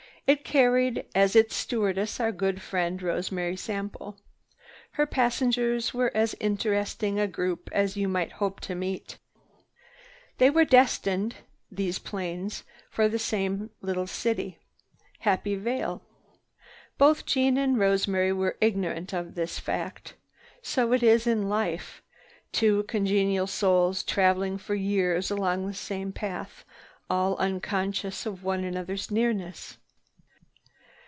It carried as its stewardess our good friend Rosemary Sample. Her passengers were as interesting a group as you might hope to meet. They were destined, these planes, for the same little city, Happy Vale. Both Jeanne and Rosemary were ignorant of this fact. So it is in life, two congenial souls travel for years along the same path, all unconscious of one another's nearness.